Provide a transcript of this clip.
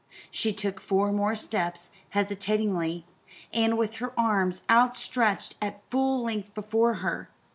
She took four more steps, hesitatingly, and with her arms outstretched at full length before her.